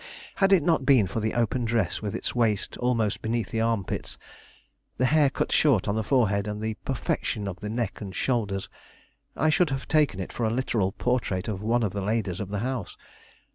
Had it not been for the open dress, with its waist almost beneath the armpits, the hair cut short on the forehead, and the perfection of the neck and shoulders, I should have taken it for a literal portrait of one of the ladies of the house.